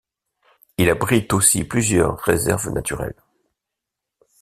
Il abrite aussi plusieurs réserves naturelles.